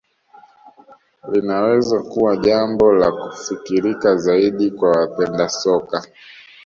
Linaweza kuwa jambo la kufikirika zaidi kwa wapenda soka